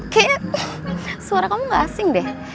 kayaknya suara kamu gak asing deh